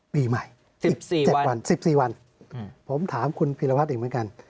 ปีใหม่๑๗วัน๑๔วันผมถามคุณพีรวัตรอีกเหมือนกัน